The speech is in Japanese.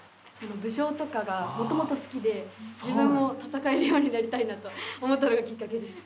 武将とかがもともと好きで自分も戦えるようになりたいなと思ったのがきっかけです。